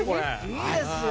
いいですよ。